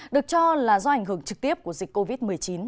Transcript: được cho là do ảnh hưởng trực tiếp của dịch covid một mươi chín